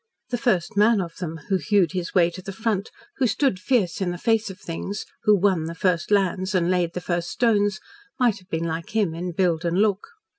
The First Man of them, who hewed his way to the front, who stood fierce in the face of things, who won the first lands and laid the first stones, might have been like him in build and look.